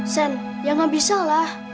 sen ya nggak bisa lah